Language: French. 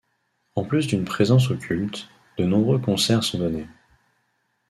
En plus d'une présence au culte, de nombreux concerts sont donnés.